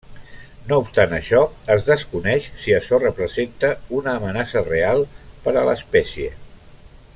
No obstant això, es desconeix si açò representa una amenaça real per a l'espècie.